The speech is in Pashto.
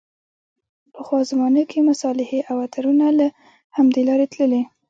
پخوا زمانو کې مصالحې او عطرونه له همدې لارې تللې.